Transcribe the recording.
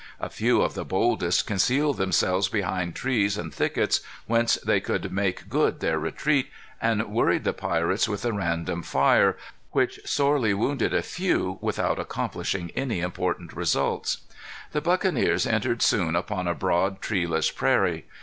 A few of the boldest concealed themselves behind trees and thickets, whence they could make good their retreat, and worried the pirates with a random fire, which sorely wounded a few, without accomplishing any important results. The buccaneers entered soon upon a broad, treeless prairie.